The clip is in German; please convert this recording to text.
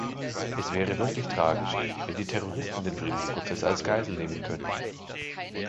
Es wäre wirklich tragisch, wenn die Terroristen den Friedensprozess als Geisel nehmen könnten.